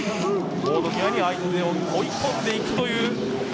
ボード際に相手を追い込んでいくという。